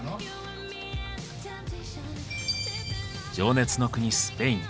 情熱の国スペイン。